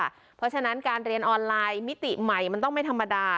เพราะฉะนั้นการเรียนออนไลน์มิติใหม่มันต้องไม่ธรรมดา